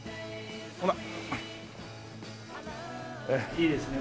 いいですね。